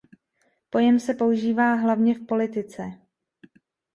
Pojem se používá hlavně v politice.